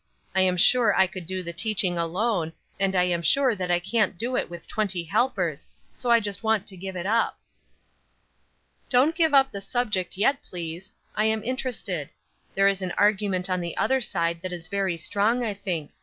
I am sure I could do the teaching alone, and I am sure that I can't do it with twenty helpers, so I just want to give it up." "Don't give up the subject yet, please; I am interested. There is an argument on the other side that is very strong, I think.